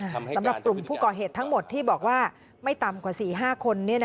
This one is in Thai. สำหรับกลุ่มผู้ก่อเหตุทั้งหมดที่บอกว่าไม่ต่ำกว่า๔๕คน